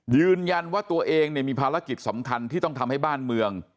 ยืนยันว่าตัวเองมีภารกิจสำคัญที่ต้องทำให้บ้านเมือง